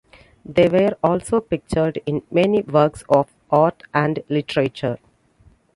They were also pictured in many works of art and literature.